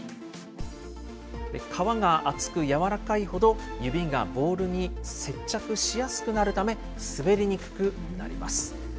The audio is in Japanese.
革が厚く柔らかいほど、指がボールに接着しやすくなるため、滑りにくくなります。